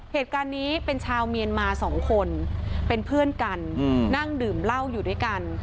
เหตุการณ์นี้เป็นชาวเมียนมาสองคนเป็นเพื่อนกันนั่งดื่มเหล้าอยู่ด้วยกัน